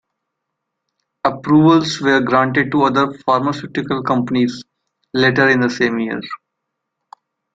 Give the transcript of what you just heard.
Approvals were granted to other pharmaceutical companies later in the same year.